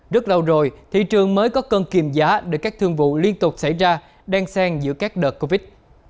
rất lâu rồi thị trường mới có cân kiềm giá để các thương vụ liên tục xảy ra đen sen giữa các đợt covid